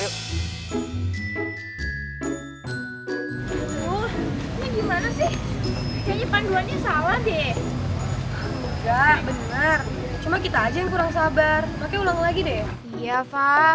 yaudah deh lo nyuruh gue lewatin aja nih